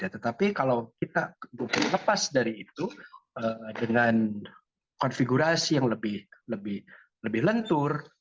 tetapi kalau kita lepas dari itu dengan konfigurasi yang lebih lentur